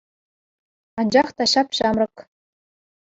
Анчах та ҫап-ҫамрӑк.